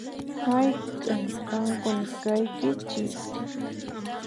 Hayk'an qankuna kankichis?